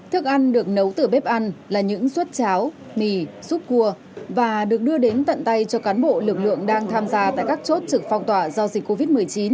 thức ăn được nấu từ bếp ăn là những suất cháo mì xúc cua và được đưa đến tận tay cho cán bộ lực lượng đang tham gia tại các chốt trực phong tỏa do dịch covid một mươi chín